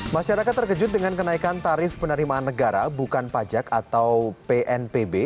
masyarakat terkejut dengan kenaikan tarif penerimaan negara bukan pajak atau pnpb